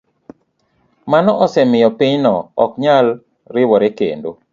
Mano osemiyo piny no ok nyal riwore kendo.